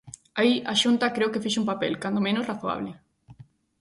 Aí a Xunta creo que fixo un papel, cando menos, razoable.